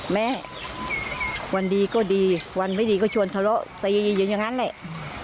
แม่วันดีก็ดีวันไม่ดีก็ชวนทะเลาะตีอยู่อย่างนั้นแหละ